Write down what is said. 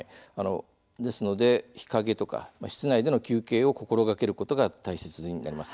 ですので日陰とか室内での休憩を心がけることが大切になります。